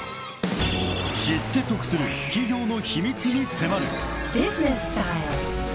［知って得する企業の秘密に迫る］